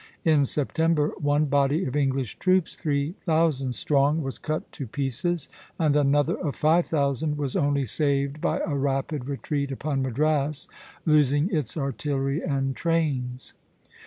In September one body of English troops, three thousand strong, was cut to pieces, and another of five thousand was only saved by a rapid retreat upon Madras, losing its artillery and trains.